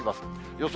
予想